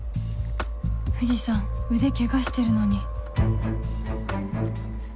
藤さん腕ケガしてるのに